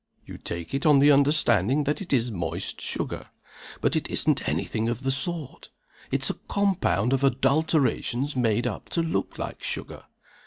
You take it on the understanding that it is moist sugar. But it isn't any thing of the sort. It's a compound of adulterations made up to look like sugar.